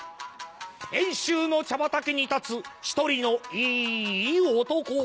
遠州の茶畑に立つ１人のいい男。